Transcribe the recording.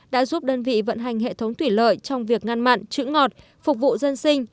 đã giúp đơn vị vận hành hệ thống thủy lợi trong việc ngăn mặn chữ ngọt phục vụ dân sinh